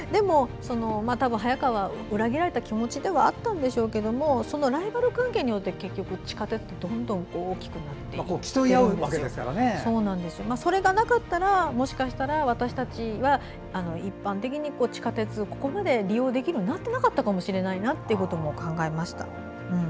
早川は裏切られた気持ちでは合ったんでしょうけどそのライバル関係によって結局、地下鉄ってどんどん大きくなっていってそれがなかったらもしかしたら私たちは一般的に地下鉄をここまで利用できるようになっていなかったのかなと考えました。